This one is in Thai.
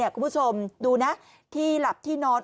คุณผู้ชมดูนะที่หลับที่นอน